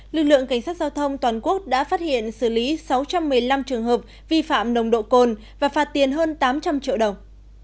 lực lượng cảnh sát giao thông toàn quốc đã phát hiện xử lý sáu trăm một mươi năm trường hợp vi phạm nồng độ cồn và phạt tiền hơn tám trăm linh triệu đồng